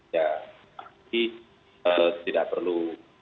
ya pasti tidak perlu